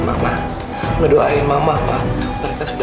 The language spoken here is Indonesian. sekarang alias zadoo baiknya mendidah perempuan delice